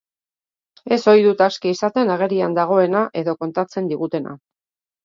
Ez ohi dut aski izaten agerian dagoena edo kontatzen digutena.